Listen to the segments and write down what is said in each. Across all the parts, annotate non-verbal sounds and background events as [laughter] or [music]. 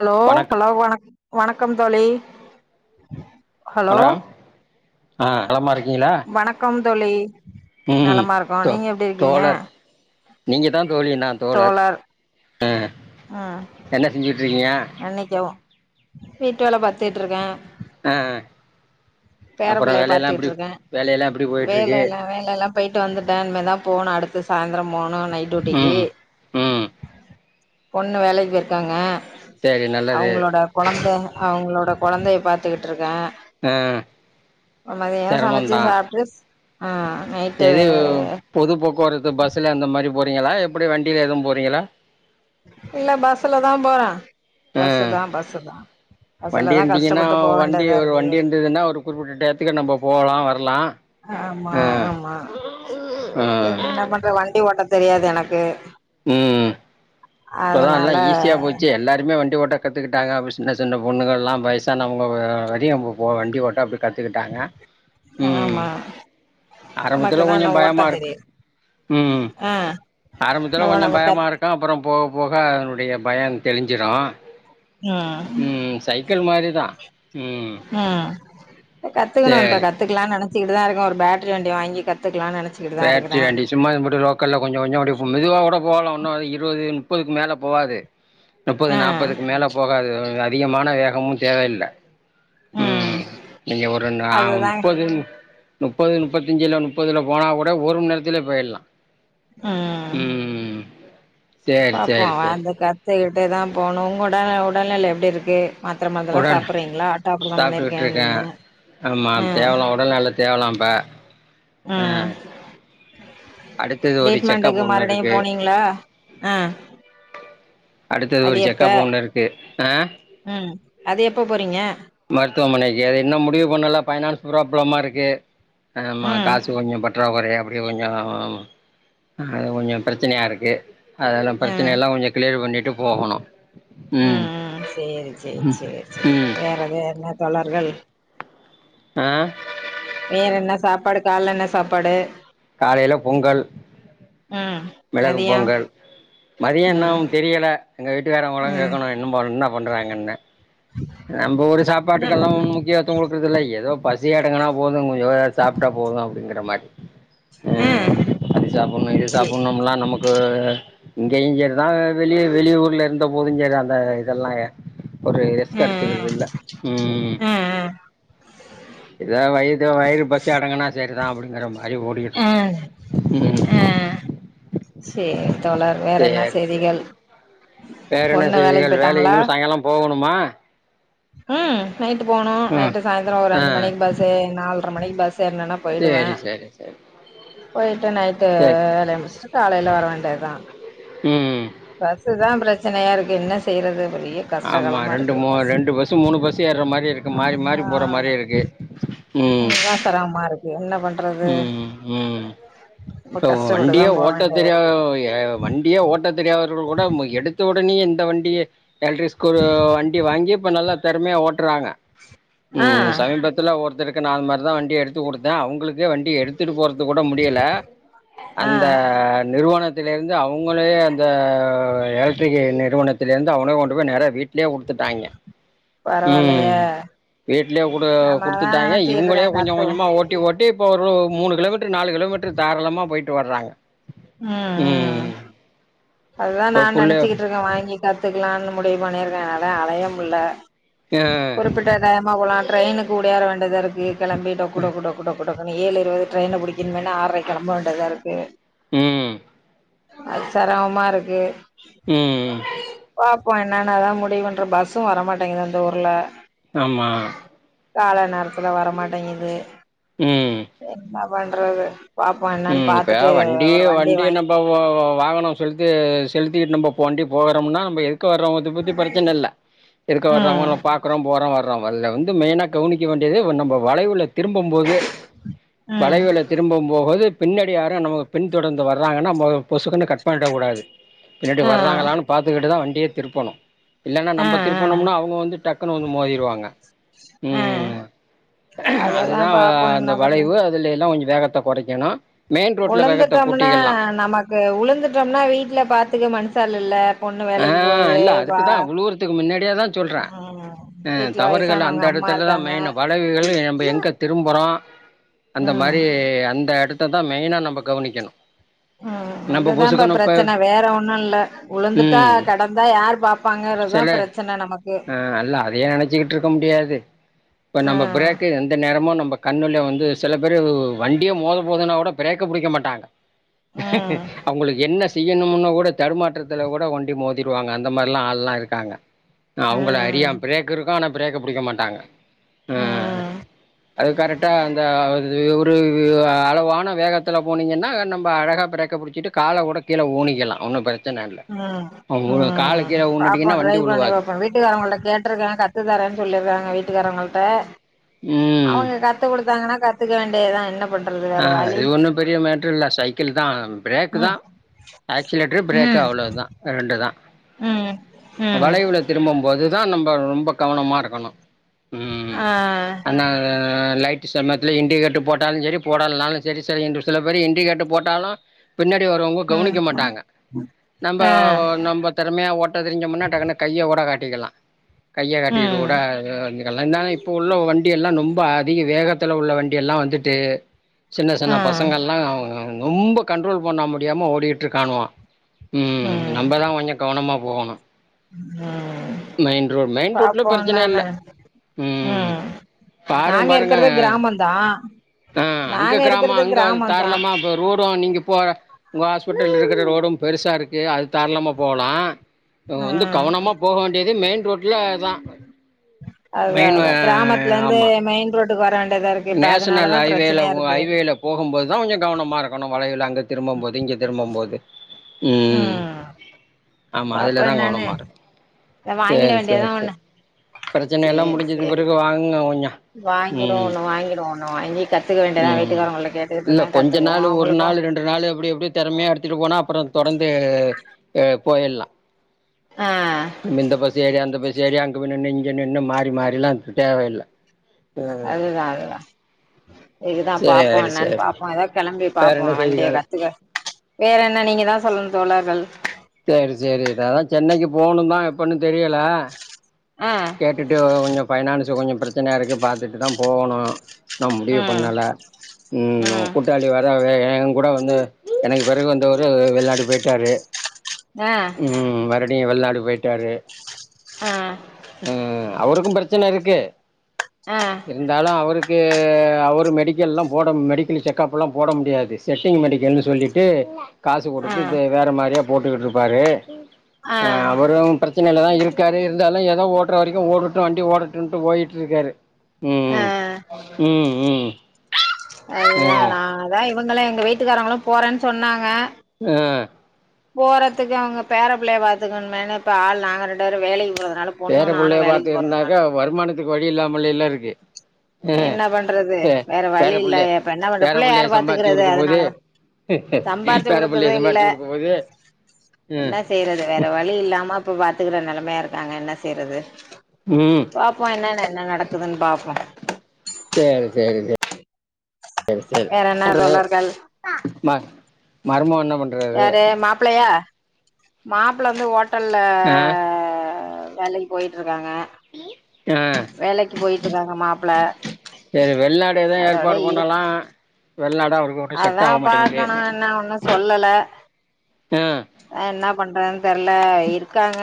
hello வணக் hello வணக்கம் வணக்கம் தோழி ஹலோ ஆஹ் நலமா இருக்கீங்களா வணக்கம் தோழி உம் நலமா இருக்கோ தோ நீங்க எப்டி இருக்கீங்க தோழர் நீங்க தான் தோழி நான் தோழர் அஹ் ம் என்ன செஞ்சுட்டு இருக்கீங்க மன்னிக்கவும் வீட்டு வேல பார்த்துட்டுருக்கேன் அஹ் பேரப்பிள்ளைய பார்த்துட்டு இருக்கேன் எப்டி போயிட்டு இருக்கு வேலையெல்லாம் வேலை எல்லாம் போயிட்டு வந்துட்டேன் இனிமேதான் போகணும் அடுத்து ப சாந் [unintelligible] அப்பிரம் போனோம் நைட் டூட்டிக்கு ம் ம் பொண்ணு வேலைக்கி போயிருக்காங்க சரி நல்லது அவுங்களோட கொழந்த அவங்களோட கொழந்தைய பாத்துக்கிட்ருக்கே ஆ மதியானோ சமைச்சி சிரமந்தா சாப்ட்டு ஆ எது நைட்டு பொது போக்குவரத்து பஸ்ல அந்த மாரி போறீங்களா எப்டி வண்டில எதுவு போறீங்களா இல்ல பஸ்லதா போறே ஆ பஸ்தா பஸ்தா வண்டி பஸ்லதா இருந்தீங்கன்னா கஷ்டப்பட்டு போ வண்டி வேண்டியதா ஒரு இருக்கு வண்டி இருந்ததுன்னா ஒரு குறிப்பிட்ட டயத்துக்கு நம்ம போகலா வரலா ஆமா ஆ ஆமா என்ன ஆ பண்றது வண்டி ஓட்டத் தெரியாது எனக்கு ம் இப்பதா எல்லா அதனால ஈஸியா போச்சி எல்லாருமே வண்டி ஓட்ட கத்துக்குட்டாங்க அப்ப சின்ன சின்ன பொண்ணுகள்லா வைசானவ்ங்க வரியு இப்ப போ வண்டி ஓட்ட அப்டி கத்துக்குட்டாங்க ம் ஆமா நமக்கு ஆரம்பத்துல தா கொஞ்சொ இன்னு ஓட்ட பயமா இருக் தெரியாது ம் ஆ ஆரம்பத்துல நம்ம கொஞ்சம் நம்ம கத் பயமா இருக்கு அப்பறம் போஅ போக அதனுடைய பயொ தெளிஞ்சிரு ம் சைக்கிள் மாரிதா ம் கத்துக்கணும்னுப்பா சேரி கத்துக்கலானு நெனச்ச சிக்கிட்டுதா இருக்கு ஒரு பேட்ரி வண்டிய வாங்கி கத்துக் பேட்ரி வண்டி சும்மா இது மட்டு லோக்கல்ல கொஞ்சொ கொஞ்சொ ஓட்டிப்போ மெதுவா கூட போலா ஒன்னு அது இருவது முப்பதுக்கு மேல போகாது முப்பது ஆ நாப்பதுக்கு மேல போகாது அதிகமான வேகமு தேவயில்ல ம் நீங்க ஒரு நா அதுதா முப்பது முப் நுப்பது நுப்பத்தஞ்சுல நுப் பொதுல போனா கூட ஒருமணி நேரத்துல போயிடலாம் ம் சேரி பாப்போ சேரி சேரி அந்த கத்துகிட் டுதா போணு உங்கோட உடல்நெல எப்டி இருக்கு மாத்தர மாிரெல்லாம் உடன் சாப்பிடடுறீங்களா ஆட் அப்ரான் சாப்ட்டுக்கிட்ருக்கே பண்ணிருக்கனிங்க ம் ப ம் அடுத்தது ஒரு செக்கப் டேட்மாண்டுக்கு ஒண்ணு மறுடியு இருக்கு போனீங்கனா அ அடுத்தது அது ஒரு எப்ப செக்கப் ஒண்ணு இருக்கு ஆ ம் அது எப்ப போறீங்க மருத்துவமனைக்கு அது இன்னு முடிவு பண்ணல பைனான்ஸ் ப்ராப்ளமா இருக்கு எம்ம ம் காசு கொஞ்சோ பற்ரா குறைய டியு கொஞ்சொ அது கொஞ்சொ ப்ரச்சனையா இருக்கு அதெல்லாம் பிரச்சன எல்லாம் கொஞ்சோ கிளியர் பண்ணிட் ட்டு போகணும் ம் ம் ம் சேரி சேர் சேர் சேர் ம் வேறது என்னா தொளர்கள் ஆ வேற என்ன சாப்பாடு கால்ல என்ன சாப்பாடு காலையில பொங்கல் ம் மெலகு மதியோ போங்கள் மதியம் ம் இனும் தெரியல எங்க வீட்டுக்காரம்மாவ ம் கேட்கணும் இன்னும் ப என்னா ஒண்றாங்கன்ன நம்ப ஒரு ம் சாப்பாட்டுக்கல்லா ஒன்னு முக்கியத்துவொ குடுக்குறதில்ல எதோ பசி அடங்கனா போதும் கொஞ்சோ சாப்பிட்டா போதும் அப்படிங்கிற மாரி ஆ ம் அது சாப்புண்ணு இது சேரி சாப்புண்ணும்லா நமக் கு இங்கெயு செ நா வெளிய வெளி ஊர்ல இருந் போதுஞ்சரி அந்த இதெல்லா ஒரு ம் கடுத்துக்குறதில்ல ம் எதா வைது வயிறு பசி அடங்குனா சரிதா அப்டிங்கிற மாரி ஓடியிட் ஆ ம் சே சேரி சே வேற என்ன பொண்ணு வேலைக்கு செய்திகள் வேல போயிட்டாங்களா இன்னு சாய்ங்காலொ போகணுமா ம் நைட்டு போணு ம் நைட்டு சாய்ந்தரொ ஒரு ஆ அஞ்சு மணிக்கி பஸ் ஏ நால் ட்ற மணிக் பஸ் ஸ் ஏர்னனா போய்டுவ சேரி சேரி சேரி போயிட்டு நைட்டு சேரி வேலைய முடிச்சுட்டு காலைல வர வேண்டியதா ம் பஸ்ஸு தா பிரச்சனையா இருக்கு என்ன செய்யறது பெரிய கஷ்ட ஆமா காலமா ரெண்டு இருக்கு மூ ரெண்டு பஸ் மூணு பஸ் ஏறுற மாரி இருக்கு மாறி மாறி ஆமா போற மாரி இருக்கு, ம் அதுதா சிரமமா இருக்கு என்ன பண்றது ம், ம் ரொம்ப இப்ப கஷ்டப்பட்டுதா வண்டியே போ ஓட்ட வேண்டியதா தெரியா இருக்கு வண்டியே ஓட்ட தெரியாதவர்கள் கூட எடுத்த உடனே இந்த வண்டிய எலக்ட்ரிக் ஸ்கூரு வண்டி வாங்கி இப்ப நல்லா தெறமயா ஓட்டுறாங்க ஆ ம் சமீபத்துல ஒருத்தருக் கு நா அது மார்தா வண்டி எடுத்து குடுத்த அவங்களுக் கு வண்டி எடுத்துட்டு போறது து கூட முடியல ஆ அந்த நிறுவனத் துல இருந்து அவங்களே அந்த எலக்ட்ரிக் நிறுவனத்தில இருந்து அவனே கொண்டு போய் நெறைய வீட்லயே குடுத்துட்டாய்ங்க பரவாயில்லையே ம் வீட்லயே குட நாம அதா குடுத்துட்டாங்க நெனச்சிட்டு இருக்கே இவ்ங்களே கொஞ்ச கத்துவோ கொஞ்சமா ஓட்டி ஓட்டி ஒ ஒரு மூணு கிலோமீட்டர் நாலு கிலோமீட்டர் தாராளமா போயிட்டு வர்றாங்க ம் ம் அதுதா இப்போ நான் புள்ள நெனைச்சிக்ட்டுருக்க வாங்கி கி கத்துக்கலானு முடிவு பண்ணியிருக்கே என்னால அலைய முல ஆ குறிப்பிட்ட டையமா போலா ட்ரெயினுக்கு ஓடியார வேண் டியதா இருக்கு கெழம்பி டொக்கு டொக்கு டொக்கு டொக் டொடக்குனு ஏழு இருவது ட்ரெயின புடிக்கனுமன்னு ஆறரைக் கெழம்ப வேண்டதா இருக்கு உம் அது செரம் மாருக்கு ம் இப்போ என்னன்னா அதா முடிவுன்ற பஸ்ஸு வரமாட்டேங்குது அந்த ஊர்ல ஆமா கால நேரத்துல வரமாட்டேங்குது ம் [unintelligible] பண்றது பாப்போ என்னன்னு ம் இப்ப பாத்துட்டு வண்டி ஒரு வண்டிய வண்டி வாங்கி நம்ம வ வாகனோ சொல்லி ட்டு செலுத்திட்டு நம்ப வண்டி போகறோம்னா நம்ப எதுக் கு வர்றவங்கத பத்தி பிரச்சன இல்ல எதுக்க ம் வர்றவங்கல பாக்கறோ போறோ வற் றோ வல்ல வந்து மெயினா கவனிக்க வேண்டியது வ நம்ப வளைவுல திரும்பம்போது ம் வளைவுல திரும்பம்போது பின்னாடி யாரு நமக்கு பின் தொடர்ந்து வர்றாங்கன்னா நம்பொ பொசுக்குன்னு கட் பண்ணிடக் கூடாது பின்னாடி ஆ வர்றங்களான்னு பாத்துக்கிட்டுதா வண்டிய திருப்பனு இல்லன்னா ஆ நம்ப திருப்பனும்னா ஆ அவங்க வந்து டக்குனு வந்து மோதிடுவாங்க ஆ ம் அதுதா பாப்போ அந்த என்ன பண்ற வளைவு அதுலைல்லா கொஞ் வேகத்த கொறைக்கணு உழுந்துட்டோம்னா நமக்கு உழுந்துட்டோம்னா வீட்ல பாத்துக்க மனுஷாள் இல்ல பொண்ணு ஆ வேலைக்கு போகுது இல்ல வா அதுக்குதான் உழுவுரத்துக்கு முன்னாடியே தா சொல்றே அ வீட்ல தவறுகள் அந்த வயசானவங்க அம்மா இடத்துலதா இருக்காங்க மெய்னு வளைவுகள் நம்ம எங்க திரும்புறோம் அந்த ம் மாரி அந்த எடத் ததான் மெய்னா நம்ம கவனிக்கணும் அ நம்ப அதுதான்ப்பா பொசுக்குனு இப்ப பிரச்சன வேற ஒன்னும் இல்ல உழுந்துட்டா ம் கடந்தா யார் பாப்பாங்கறதுதா சில பிரச்சன நமக்கு ஆ அல்ல அதையே நெனைச்சுகிட் இருக்க முடியாது இப்ப ஆ நம்ம பிரேக்கு எந்த நேரமு நம்ம கண்ணுல வந்து சில பேரு வண்டியே மோத போதுன்னா கூட பிரேக்க புடிக்க மாட்டாங்க ம் அவுங்களுக்கு என்ன செய் செய்யனும்முன்னு கூட தடுமாற்றத் துல கூட ஒண்டி மோதிர்வாங்க அந்த மாதிரிலா ஆள்லா இருக்காங்க அவுங்கள ம் அறியா பிரேக் இருக்கு ஆனா பிரேக்க புடிக்க மாட்டாங்க ம் அது கரெக்டா அந்த இது ஒரு அளவான வேகத்துல போனீங்கன்னா நம்ம அழகா பிரேக்க புடிச்சிட்டு கால கூட கீழ ஊனிக்கலா ஒன்னு பிரச்சன ம் ம் பாப்போம் வண்டி ட்ரைப் பண்ணி விழுவாது பாப்போம் வீட்டுக்காரவுங்கள்ட கேட்டிருக்கே கத்து தரேன்னு சொல்லிருக்காங்க வீட் வீட்டுக்காரவுங்கள்ட ம் அவுங்க கத்து குடுத்தாங்கனா கத்துக்க வேண்டிதா என்ன பண்றது ஆ வேற வழி இது ஒண்ணும் பெரிய மேட்ர் இல்ல சைக்கிள் தான் பிரேக்கு தா ம் ஆக்சிலேட்ரு பிரேக்கு ம் அவ்ளோ தா ரெண்டு தா ம் ம் வளைவுல திரும்பும் போது தா தா நம்ப ரொம்ப கவனமா இருக்கணு ம் ஆ ஆனா லை சமயத்துல இண்டிகேட்ரு போட்டாலு சரி போடனாலும் சரி சரி என்று சில பேர் இண்டிகேட்ரு போட்டாலு பின்னாடி வர்ரவுங்க ம் கவனிக்க மாட்டாங்க நம்ப ஆ நம்ப தெறமையா ஓட்ட தெரிஞ்சோமுன்னா டக்குனு கையகூட காட் கேகலா கைய காட்டிட்டு ம் கூட [unintelligible] இருந்தாலு இப்போ உள்ள வண்டியல்லா நொம் ரொம்ப அதிக வேகத்துல உள்ள வண்டி எல்லா வந்துட்டு சின்ன சின்ன ஆ பசங்கள்லா அவுங்க நொம்ப கண்ட்ரோல் பண்ண முடியாம ஓடிட்டு இருக்கானுவ ம் நம்மதா கொஞ்சோ கவனமா போகனு அ மெயின் ரோட்ல பாப்போ பிரச்சன என்னானு இல்ல ம் பாருங்க நாங்க இருக்கறது கிராம தா ஒங்க கிராமோ அங்க அது தாராளமா இப்ப ரோடும் நீங்க போற உங்க ஹாஸ்பிட்டல் இருக்கற ரோடும் பெருசா இருக்கு அது தரலாம போலா வந்து ம் கவனமா போக வேண்டியது மெயின் ரோட்ல தா மெயின்னு ஆமா ட்டுக்கு வர வேண்டியதா இருக்கு இப்ப நேஷனல் அதனாலதா ஹைவேல பிரச்சனையா இருக்கு ஹவேல போகும்போதுதா கொஞ்ச கவனமா இருக்கணு வளைவுல அங்க திரும்பும் போது இங்க திரும்பும் போது உம் ம் ஆமா பாப்போ அதுலதா என்னானு கவனமா இரு இத வாங்கிட சரி வேண்டியதா சரி சரி ஒண்ணு பிரச்சனைல்லா சேரி முடிஞ்சது சேரி பிறகு வாங்குங்க கொஞ்சம் ம் வாங்கிடுவோன்னு வாங்கி கத்துக்க வேண்டியதா ம் வீட்டுக்காரங்கள கேட்டுக்கிட்டு இல்ல இருக்கே கொஞ்ச கத்துக்குவோ நாள் ஒரு அவங்களுக்கு நாள் ரெண்டு நாள் ஆ அப் போயல்லா ஆ நம இந்த பஸ் ஏரி அந்த பஸ் சரி அங்க பின்னுன்னு இங்கன்னுன்னு மாறி மாறில்லா அந்து தேவையில்லை ஆ அதுதா இதுதா பாப்போ என்னன்னு சேரி பாப்போ ஏதோ கெளம்பி வேற பாப்போ என்ன வண்டிய செய்திகள் கத்துக்க வேற என்ன நீங்கதா சொல்லன் தோழர்கள் சரி சரி அதா சென்னைக்கு போணுந்தா எப்பன்னு தெரியல ஆ கேட்டுட்டு கொஞ்சோ ஃபைனான்ஸு கொஞ்சோ பிரச்சனயா இருக்கு பாத்துட்டு தா போவனு நா முடிவு ம் பண்ணல ம் கூட்டாளி வர வேக வே எங்கூட வந்து எனக்கு பெறகு வந்தவரு வெள்நாடு போய்ட்டாரு ஆ உம் மர்டியு வெல்லாடு போய்ட்டாரு ஆ ம் அவருக்கூ பிரச்சன இர்க்கு ஆ இருந்தாலு அவர்க்கூ அவரு மெடிக்கல்லா போட மெடிக்கில் செக்காப்ல்லா போட முடியாது செட்டிங் மெடிக்கல்னு சொல்லிட்டு காசு ஆ கொடுத்து இத வேற மாறியா போட்டுக்ட்ருப்பாரு ஆ அவரு பிரச்சனைலதா இருக் கட இருந்தாலு எல் லா ஓடுற வரைக்கூ ஓடட்டு வண்டி ஓடட்டுன்ட்டு போய்ட்ருக்காரு அ அதுதா ம் நா அதா இவுங்களு எங்க வீட்டுக்காரவங்களு போறேனு சொன்னாங்க அ போறதுக்கு அவுங்க பேர புள்ளய பாத்துக்கனுமேனு இப்ப ஆள் நாங்க ரெண்டு வேரு வேலைக் போறது பேர புள்ளய பாத்து இருந்தாக்க வருமானத்துக்கு வழி இல்லாமலே இல்ல இருக்கு அ என்ன பண்றது பே வேற பேர வழி இல்ல புள்ள இப்ப என்ன பண்ற பேர புள்ளைய புள்ளய யாரு சம்பாரிச்சி பாத்துக்கறது குடுக்க போது அதனாலதா சம்பாரிச்சு பேர புள்ளைய குடுக்கறது இல்ல சம்பாரிச்சி குடுக்க போத் என்ன செய்றது வேற வழி இல்லாம இப்ப பாத்துக்குற நெலமையா இருக்காங்க என்ன செய்றது ம் பாப்போ என்னனு என்ன நடக்குதுன் பாப்போ செர் செரி வேற என்ன தோழர்கள் [unintelligible] யாரு மாப்ளையா மாப்புள்ள வந்து ஓட் டல்ல ஆ வேலைக் போய்ட்ருக் காங்க ஆ வேலக்கி போய்ட்ருக்காங்க மாப்புள இப்ப எதே ஏற்பாடு பண்ணலா வெளிநாடு அவருக்கு ஒன்னு செட் அதா ஆக மாட்டேங்குது பாக்கனு என்ன ஒன்னு சொல்லல ஆ என்னப் பண்றதுன் தெர்ல இருக்காங்க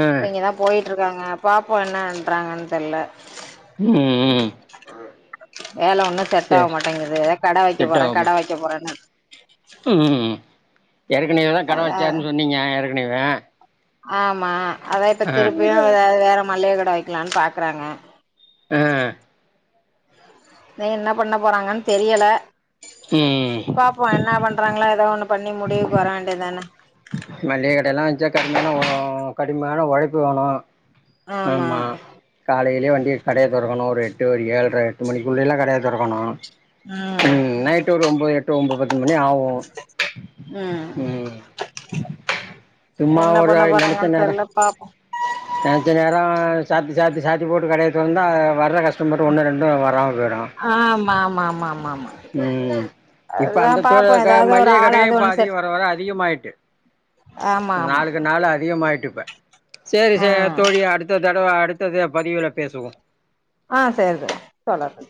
ஆ இப்ப இங்க தா போயி ட்டுருக்காங்க பாப்போ என்ன பண்றாங்கன் தெர்ல ம் ம் வேல ஒன்னு செட் ஆக சேரி மாட்டேங்கிது கட வைக்க செட் போறே கட ஆகாம வைக்க போறேன்னு ம் ஏற்கனவே கட அதா வெச்சாருன் சொன்னீங்க எருட் பண்ணிக்குவே ஆமா அதா இப்ப திருப்பியு எதாவது வேற மள்ளிய கட் வைக்கலான் பாக்குறாங்க அ நீ என்ன பண்ண போறாங்கன் தெரியல ம் பாப்போ என்ன பண்றாங்களா ஏதா ஒண்ணு பண்ணி முடிவுக்கு வர வேண்டியது தானே மளிகை கடையெல்லா வச்சா கடுமையான ஒ கடுமையான ஒழைப்பு வேணு ஆமா காலையிலயே வன் வெ கடைய தொறக்கணு ஒரு எட்டு ஒரு ஏழ்ற எட்டு மணிக்குள்ளே எல்லா கடைய தொறக்கணு ம் நைட்டு ஒரு ஒம்போது எட்டு ஒம்போது பத்து கொஞ்சோ ஆவு ம் சும்மா என்ன ஒரு பண்ண நெனச்ச போறாங்கன்னு நேர தெரியல பாப்போம் நெனச்ச நேரோம் சாத்தி சாத்தி சாத்தி போட்டு கடைய தொறந்தா வர்ற கஸ்டமரும் ஒன்னு ரெண்டும் வராம உளரோ ஆமா ஆமா ஆமா ஆமா ஆமா உம் இப்ப அதுதா அந்த பாப்போ தோழர் க ஏதாவது ஒரு மளிகை கடையும் ஆளாவது இப்ப ஒண்ணு அதிகோ செட் வர வர அதிகமாயிட்டு ஆமா ஆமா நாளுக்கு நாள் அதிகமாயிட்டு ப [unintelligible] சேரி ஆ சேரி தோழி அடுத்த தடவை அடுத் அடுத்தது பதிவுல பேசுவோம் ஆ சேரி தோழர் தோழர்